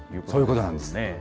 そういうことなんです。